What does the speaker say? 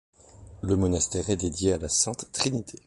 Le monastère est dédié à la sainte Trinité.